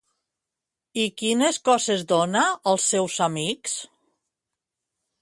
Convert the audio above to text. I quines coses dona als seus amics?